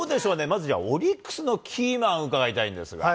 まずはオリックスのキーマンを伺いたいんですが。